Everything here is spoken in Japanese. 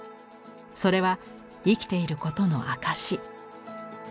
それは生きていることの証し。